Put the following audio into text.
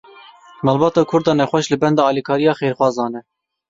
Malbata Kurd a nexweş li benda alîkariya xêrxwazan e.